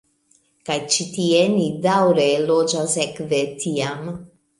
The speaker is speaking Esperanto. Kaj ĉi tie ni daŭre loĝas ekde tiam.